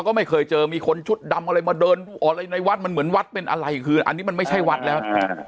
ก็ไม่เคยเจอมีคนชุดดำอะไรมาเดินอะไรในวัดมันเหมือนวัดเป็นอะไรคืออันนี้มันไม่ใช่วัดแล้ว